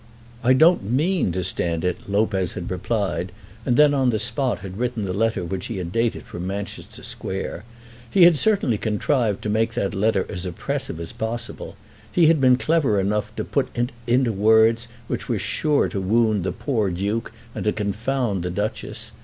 "I don't mean to stand it," Lopez had replied, and then on the spot had written the letter which he had dated from Manchester Square. He had certainly contrived to make that letter as oppressive as possible. He had been clever enough to put into it words which were sure to wound the poor Duke and to confound the Duchess.